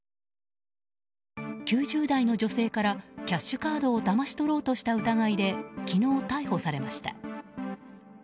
９０代の女性からキャッシュカードをだまし取ろうとした疑いで昨日逮捕されました。